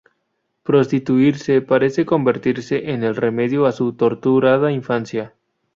Prostituirse "parece" convertirse en el remedio a su "torturada infancia".